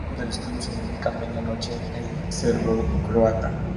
El nombre del estudio significa medianoche en serbocroata.